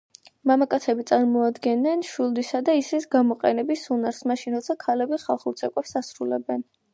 მამაკაცები წარმოადგენენ მშვილდისა და ისრის გამოყენების უნარს, მაშინ როცა ქალები ხალხურ ცეკვებს ასრულებენ.